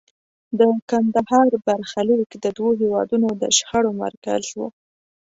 د کندهار برخلیک د دوو هېوادونو د شخړو مرکز و.